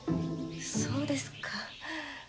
そうですか？